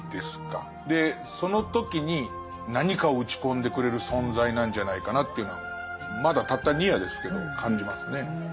でその時に何かを打ち込んでくれる存在なんじゃないかなっていうのはまだたった２夜ですけど感じますね。